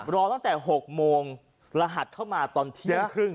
รอตั้งแต่๖โมงรหัสเข้ามาตอนเที่ยงครึ่ง